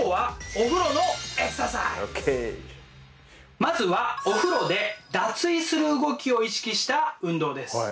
まずはお風呂で脱衣する動きを意識した運動です。